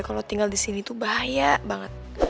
kalau tinggal disini tuh bahaya banget